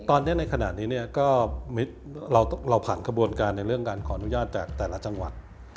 ตอนนี้ในขณะนี้ก็เราผ่านขบวนการในเรื่องการขออนุญาตจากแต่ละจังหวัด